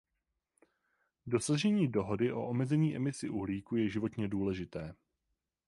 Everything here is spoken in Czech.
Dosažení dohody o omezení emisí uhlíku je životně důležité.